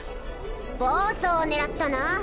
暴走を狙ったな？